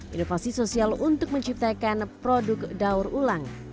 inovasi sosial untuk menciptakan produk daur ulang